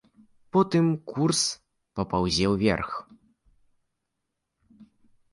Потым курс папаўзе ўверх.